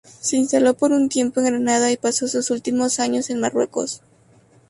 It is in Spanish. Se instaló por un tiempo en Granada y pasó sus últimos años en Marruecos.